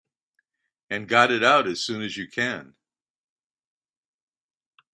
And got it out as soon as you can.